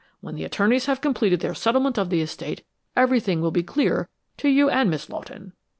When the attorneys have completed their settlement of the estate, everything will be clear to you and Miss Lawton.